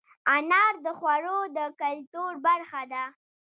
انار د خوړو د کلتور برخه ده.